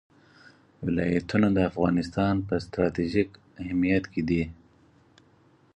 ولایتونه د افغانستان په ستراتیژیک اهمیت کې دي.